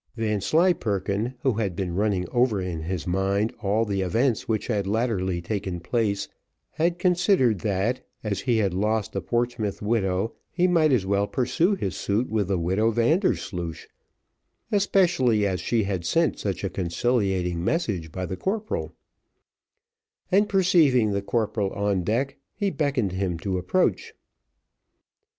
Vanslyperken, who had been running over in his mind all the events which had latterly taken place, had considered that, as he had lost the Portsmouth widow, he might as well pursue his suit with the widow Vandersloosh, especially as she had sent such a conciliating message by the corporal; and perceiving the corporal on deck, he beckoned to him to approach.